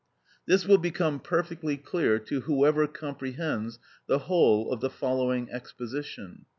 This will become perfectly clear to whoever comprehends the whole of the following exposition.